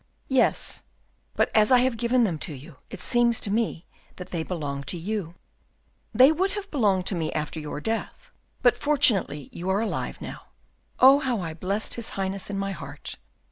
"Yes, but as I have given them to you, it seems to me that they belong to you." "They would have belonged to me after your death, but, fortunately, you are alive now. Oh how I blessed his Highness in my heart!